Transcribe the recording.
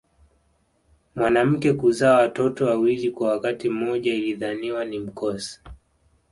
Mwanamke kuzaa watoto wawili kwa wakati mmoja ilidhaniwa ni mkosi